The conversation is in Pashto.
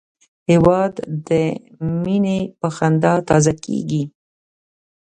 هېواد د مینې په خندا تازه کېږي.